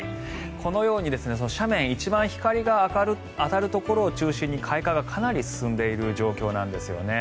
このように斜面一番光が当たるところを中心にかなり開花が進んでいる状況なんですね。